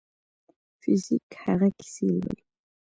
فزیک هغه کیسې لولي.